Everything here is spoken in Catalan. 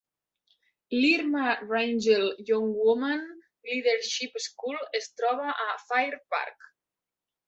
L'Irma Rangel Young Women Leadership School es troba a Fair Park.